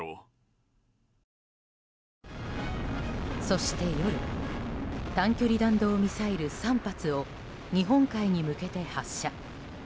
そして夜短距離弾道ミサイル３発を日本海に向けて発射。